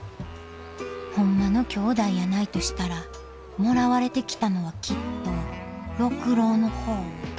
ホンマのきょうだいやないとしたらもらわれてきたのはきっと六郎の方。